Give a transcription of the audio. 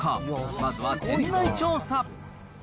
まずは店内調査。